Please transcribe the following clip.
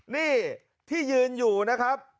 นี่ที่ยืนอยู่นะครับ